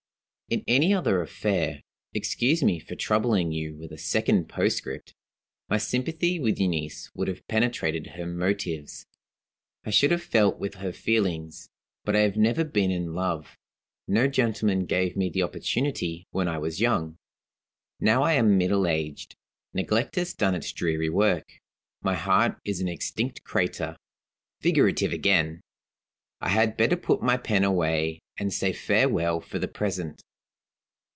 "In any other affair (excuse me for troubling you with a second postscript), my sympathy with Euneece would have penetrated her motives; I should have felt with her feelings. But I have never been in love; no gentleman gave me the opportunity when I was young. Now I am middle aged, neglect has done its dreary work my heart is an extinct crater. Figurative again! I had better put my pen away, and say farewell for the present."